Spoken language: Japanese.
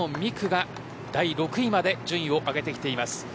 磯野美空が第６位まで順位を上げてきています。